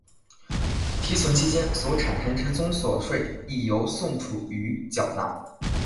提存期间所产生之综所税亦由宋楚瑜缴纳。